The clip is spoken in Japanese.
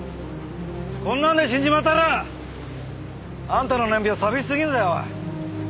こんなんで死んじまったらあんたの年表寂しすぎるぜおい。